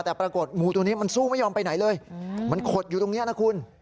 แต่ปรากฏงูตัวนี้มันสู้ไม่ยอมไปไหนเลยมันขดอยู่ตรงนี้นะคุณ